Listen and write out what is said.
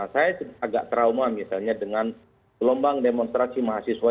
saya agak trauma misalnya dengan gelombang demonstrasi mahasiswa